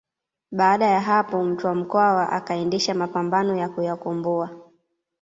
Baada ya hapo Mtwa Mkwawa akaendesha mapambano ya kuyakomboa